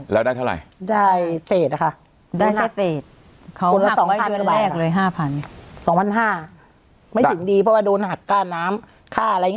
แล้วได้เท่าไร